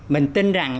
mình tin rằng